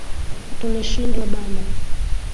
Tulishindwa bana